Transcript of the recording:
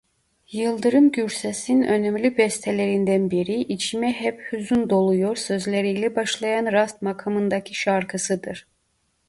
Yıldırım Gürses'in önemli bestelerinden biri "içime hep hüzün doluyor" sözleriyle başlayan rast makamındaki şarkısıdır.